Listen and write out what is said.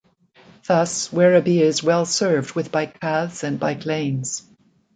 Thus Werribee is well served with bike paths and bike lanes.